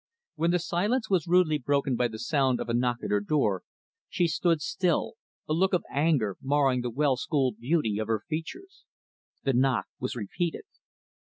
When the silence was rudely broken by the sound of a knock at her door, she stood still a look of anger marring the well schooled beauty of her features. The knock was repeated.